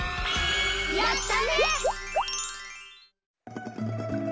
やったね！